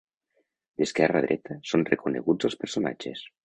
D'esquerra a dreta són reconeguts els personatges.